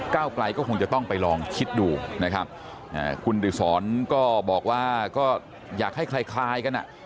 ก้าวกลัยก็คงจะต้องไปลองคิดดูนะครับคุณโดยสอนบอกว่าอยากให้คลายกันอ่ะ